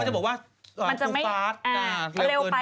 ถ้าเกิดเร็วกว่านั้นก็จะบอกว่าอ่าตู้ฟาสอ่าเร็วเกินไป